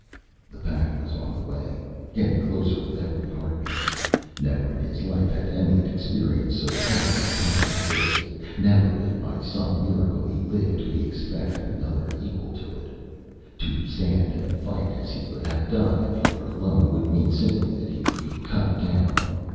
The pack was on the way getting closer with every heartbeat. Never in his life had Endlich experienced so harrowing a time as this; never, if by some miracle he lived, could he expect another equal to it. To stand and fight, as he would have done if he were alone, would mean simply that he would be cut down.